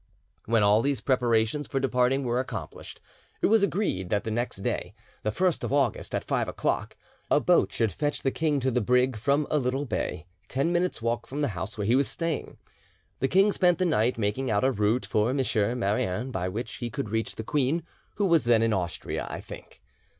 When all these preparations for departing were accomplished, it was agreed that the next day, the 1st of August, at five o'clock, a boat should fetch the king to the brig from a little bay, ten minutes' walk from the house where he was staying. The king spent the night making out a route for M. Marouin by which he could reach the queen, who was then in Austria, I think.